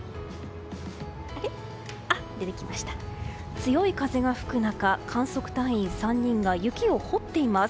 強い風が吹く中、観測隊員３人が雪を掘っています。